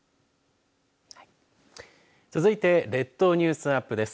続いて列島ニュースアップです。